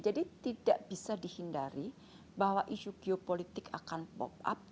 jadi tidak bisa dihindari bahwa isu geopolitik akan pop up